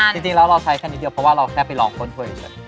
จริงนจื้อเราใช้แค่นิดเดียวเพราะว่าเราแค่ไปลองค้นตัวเอง